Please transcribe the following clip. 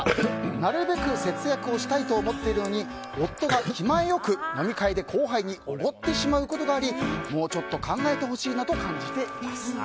なるべく節約をしたいと思っているのに夫が気前よく飲み会で後輩に奢ってしまうことがありもうちょっと考えてほしいなと感じています。